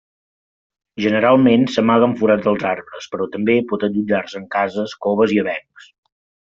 Generalment s'amaga en forats dels arbres, però també pot allotjar-se en cases, coves i avencs.